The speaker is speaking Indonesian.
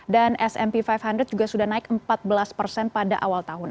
dan s p lima ratus juga sudah naik empat belas pada awal tahun